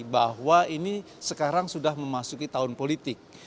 bahwa ini sekarang sudah memasuki tahun politik